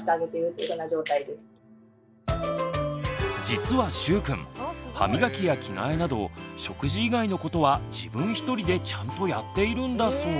実はしゅうくん歯磨きや着替えなど食事以外のことは自分一人でちゃんとやっているんだそう。